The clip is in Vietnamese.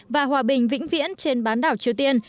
và hòa bình vĩnh viễn trên bán đảo triều tiên